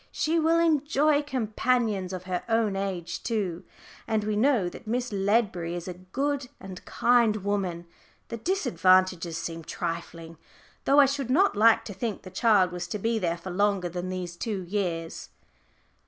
She will enjoy companions of her own age too. And we know that Miss Ledbury is a good and kind woman the disadvantages seem trifling, though I should not like to think the child was to be there for longer than these two years."